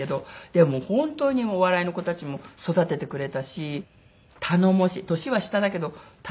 でも本当にお笑いの子たちも育ててくれたし頼もしい年は下だけど頼もしい。